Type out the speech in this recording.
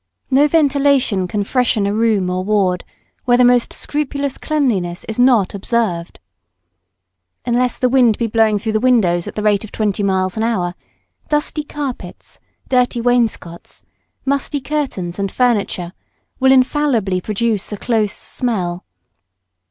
No ventilation can freshen a room or ward where the most scrupulous cleanliness is not observed. Unless the wind be blowing through the windows at the rate of twenty miles an hour, dusty carpets, dirty wainscots, musty curtains and furniture, will infallibly produce a close smell.